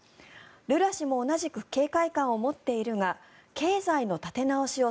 ルラ氏も同じく警戒感を持っているが経済の立て直しを